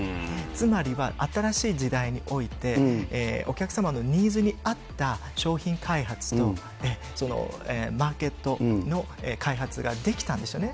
つまりは新しい時代において、お客様のニーズに合った商品開発と、そのマーケットの開発ができたんですよね。